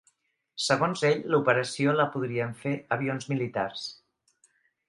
Segons ell, l’operació la podrien fer avions militars.